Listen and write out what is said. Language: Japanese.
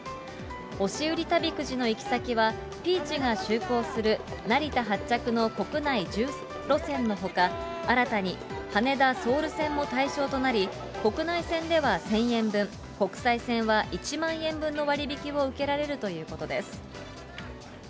押売り旅くじの行き先は、ピーチが就航する成田発着の国内１０路線のほか、新たに羽田・ソウル線も対象となり、国内線では１０００円分、国際線は１万円分の割引を受けられるということです。